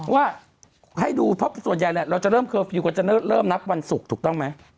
ว่าให้ดูเพราะส่วนใหญ่แหละเราจะเริ่มเคอร์ฟิลลกว่าจะเริ่มนับวันศุกร์ถูกต้องไหม